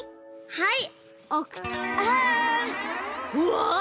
はい！